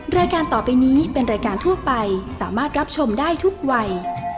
รายการต่อไปนี้เป็นรายการทั่วไปสามารถรับชมได้ทุกวัย